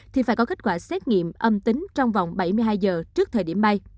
thì phải có kết quả xét nghiệm âm tính trong vòng bảy mươi hai giờ trước thời điểm bay